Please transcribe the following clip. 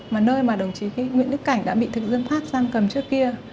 mà nơi mà đồng chí nguyễn đức cảnh đã bị thực dân pháp sang cầm trước kia